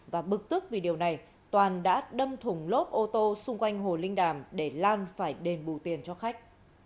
và bực tức vì điều này toàn đã đâm thùng lốp ô tô xung quanh hồ linh đàm để lan phải đền bù tiền cho khách